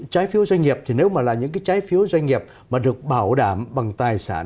trái phiếu doanh nghiệp thì nếu mà là những cái trái phiếu doanh nghiệp mà được bảo đảm bằng tài sản